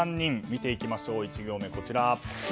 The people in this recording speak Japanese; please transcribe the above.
見ていきましょう、１行目こちら。